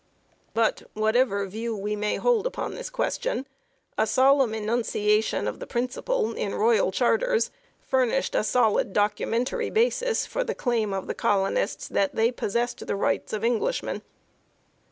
But, whatever view we may hold upon this question, a solemn enunciation of the principle in royal charters furnished a solid documentary basis for the claim of the colonists that they possessed the rights of Englishmen.